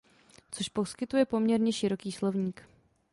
Což poskytuje poměrně široký slovník.